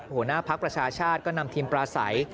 หัวหน้าพักประชาชาติก็นำทีมปลาใส